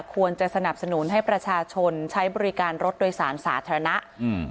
สนับสนุนให้ประชาชนใช้บริการรถโดยสารสาธารณะอืม